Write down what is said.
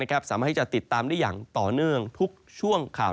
สามารถที่จะติดตามได้อย่างต่อเนื่องทุกช่วงข่าว